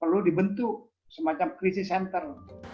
perlu dibentuk semacam krisis center